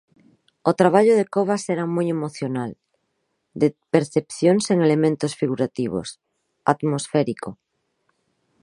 O traballo de Cobas era moi emocional, de percepción sen elementos figurativos, atmosférico.